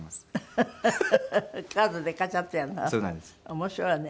面白いわね。